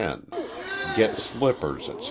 Gets slippers, etc.